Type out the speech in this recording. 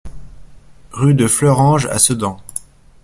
Rue de Fleuranges à Sedan